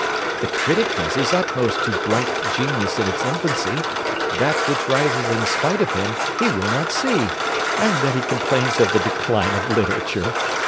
The critic does his utmost to blight genius in its infancy; that which rises in spite of him he will not see; and then he complains of the decline of literature.